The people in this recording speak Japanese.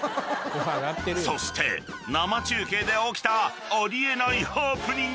［そして生中継で起きたあり得ないハプニングも］